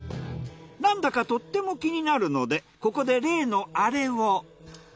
なんだかとっても気になるのでここで例のアレを。